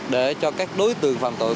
để cho các đối tượng phạm tội